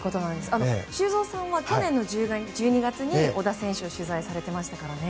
修造さんは去年の１２月に小田選手を取材されていましたからね。